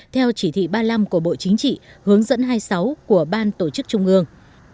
theo chỉ thị ba mươi năm của bộ chính trị hướng dẫn hai mươi sáu của ban tổ chức trung ương